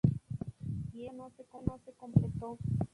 Y esa obra no se completó.